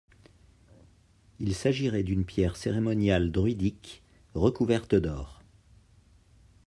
Il s’agirait d’une pierre cérémoniale druidique, recouverte d’or.